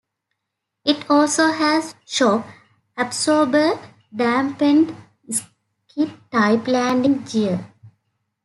It also has shock absorber-dampened, skid-type landing gear.